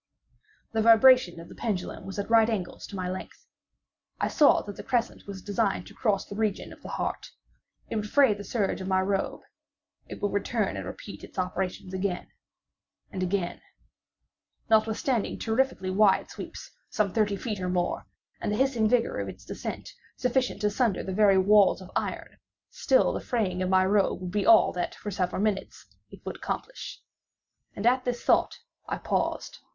The vibration of the pendulum was at right angles to my length. I saw that the crescent was designed to cross the region of the heart. It would fray the serge of my robe—it would return and repeat its operations—again—and again. Notwithstanding its terrifically wide sweep (some thirty feet or more) and the hissing vigor of its descent, sufficient to sunder these very walls of iron, still the fraying of my robe would be all that, for several minutes, it would accomplish. And at this thought I paused.